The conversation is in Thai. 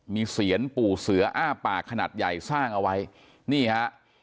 มีเสียนปู่เสืออ้าปากขนาดใหญ่สร้างเอาไว้นี่ฮะ